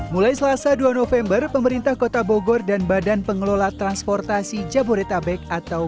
mulai selasa dua november pemerintah kota bogor dan badan pengelola transportasi jabodetabek atau